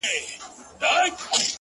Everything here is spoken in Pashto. • چي د مخ لمر يې تياره سي نيمه خوا سي؛